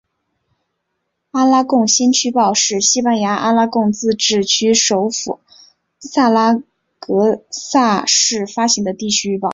阿拉贡先驱报是西班牙阿拉贡自治区首府萨拉戈萨市发行的地区日报。